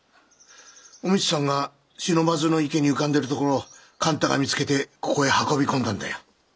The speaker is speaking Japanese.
お美津さんが不忍池に浮かんでるところを勘太が見つけてここへ運び込んだんだよ。